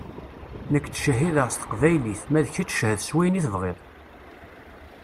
Nekk ttcehhideɣ s teqbaylit, ma d kečč cehhed s wayen i tebɣiḍ.